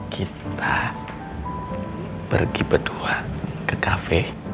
kita pergi berdua ke kafe